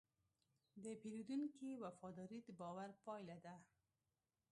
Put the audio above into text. د پیرودونکي وفاداري د باور پايله ده.